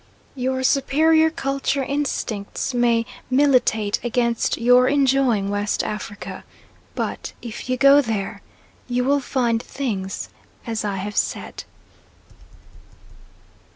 Your superior culture instincts may militate against your enjoying West Africa, but if you go there you will find things as I have said.